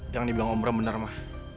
yang dibilang om ram bener mah